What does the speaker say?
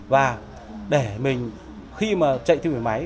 và để mình khi mà chạy tim phổi máy